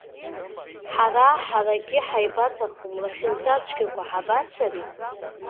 Ҳара-ҳарагьы ҳаибаҭахым, лахьынҵацәгьақәа, ҳабацари?